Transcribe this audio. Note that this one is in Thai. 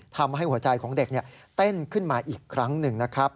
ทำให้หัวใจของเด็กเต้นขึ้นมาอีกครั้งหนึ่งนะครับ